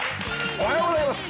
おはようございます。